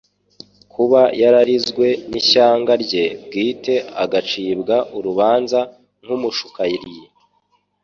kuba yararizwe n'ishyanga rye bwite agacibwa urubanza nk'umushukariyi